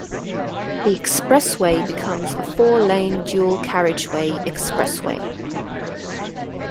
The expressway becomes a four-lane dual-carriageway expressway.